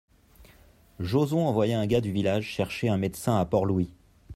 Joson envoya un gars du village chercher un médecin à Port-Louis.